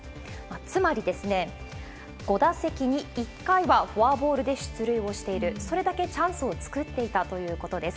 つまりですね、５打席に１回はフォアボールで出塁をしている、それだけチャンスを作っていたということです。